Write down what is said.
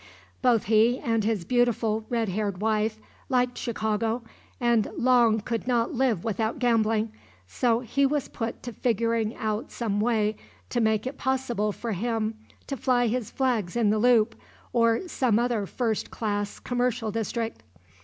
Both he and his beautiful red haired wife liked Chicago and Long could not live without gambling, so he was put to figuring out some way to make it possible for him to fly his flags in the Loop or some other first class commercial district.